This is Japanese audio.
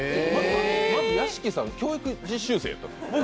まず屋敷さん、教育実習生やったん？